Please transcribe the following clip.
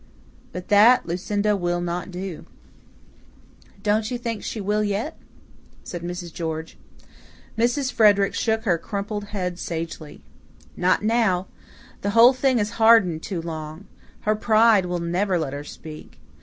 But that Lucinda will not do." "Don't you think she will yet?" said Mrs. George. Mrs. Frederick shook her crimped head sagely. "Not now. The whole thing has hardened too long. Her pride will never let her speak.